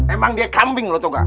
emang dia kambing lo tau gak